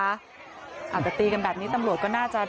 อาจจะตีกันแบบนี้ตำรวจก็น่าจะ